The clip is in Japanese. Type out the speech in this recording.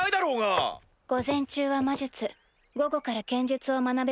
午前中は魔術午後から剣術を学べばいいのでは？